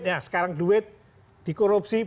nah sekarang duit dikorupsi